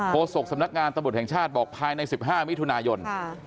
โศกสำนักงานตำรวจแห่งชาติบอกภายใน๑๕มิถุนายน